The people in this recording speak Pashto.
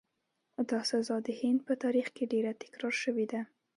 دا سزا د هند په تاریخ کې ډېره تکرار شوې ده.